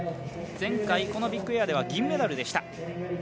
前回、このビッグエアでは銀メダルでした。